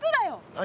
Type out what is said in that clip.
何？